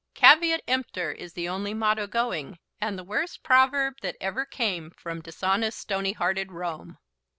Caveat emptor is the only motto going, and the worst proverb that ever came from dishonest stony hearted Rome.